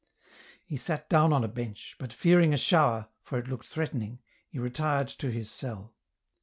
He sat down on a bench, but fearing a shower, for it looked threatening, he retired to his cell.